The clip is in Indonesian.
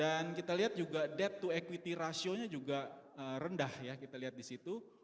dan kita lihat juga debt to equity ratio nya juga rendah kita lihat disitu